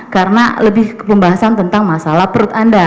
karena lebih pembahasan tentang masalah perut anda